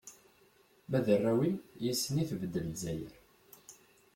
Ma d arraw-im, yis-sen i tbedd Lezzayer.